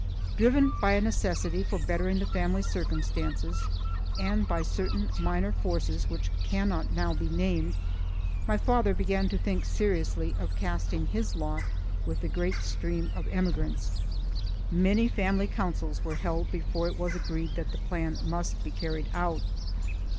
Driven by a necessity for bettering the family circumstances, and by certain minor forces which cannot now be named, my father began to think seriously of casting his lot with the great stream of emigrants. Many family councils were held before it was agreed that the plan must be carried out.